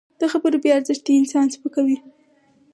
د خبرو بې ارزښتي انسان سپکوي